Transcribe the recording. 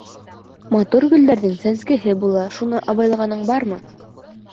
Матур гөлдәрҙең сәнескеһе була... шуны абайлағаның бармы?